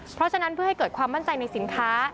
เพราะฉะนั้นเพื่อให้เกิดความมั่นใจในสินค้า